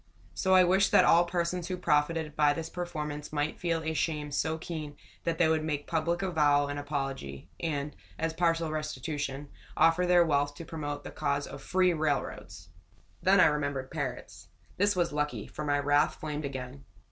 So I wished that all persons who profited by this performance might feel a shame so keen that they would make public avowal and apology, and, as partial restitution, offer their wealth to promote the cause of free railroads! Then I remembered parrots. This was lucky, for my wrath flamed again.